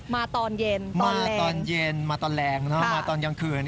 มาตอนเย็นตอนแหลงมาตอนแหลงมาตอนกลางคืน